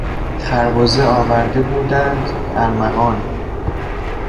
خربزه آورده بودند ارمغان.